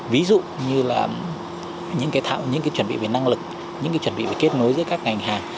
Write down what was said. ví dụ như là những cái chuẩn bị về năng lực những cái chuẩn bị về kết nối giữa các ngành hàng